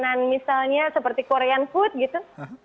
makanan misalnya seperti korean food gitu